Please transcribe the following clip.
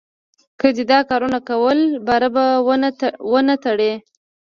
که دې دا کارونه کول؛ بار به و نه تړې.